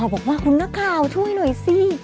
บอกว่าคุณนักข่าวช่วยหน่อยสิ